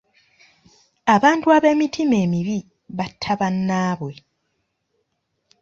Abantu ab'emitima emibi batta bannaabwe.